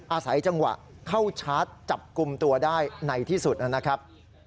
อาศัยจังหวะเข้าชาร์จจับกลุ่มตัวได้ในที่สุดนะครับ